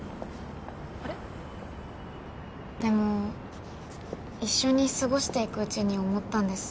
あれ？でも一緒に過ごしていくうちに思ったんです